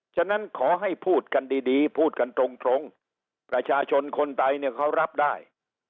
ฉะนั้นขอให้พูดกันดีพูดกันตรงประชาชนคนไทยเนี่ยเขารับได้